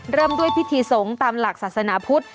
เริ่มด้วยพิธีสงฆ์ตามหลักศาสนาพุทธ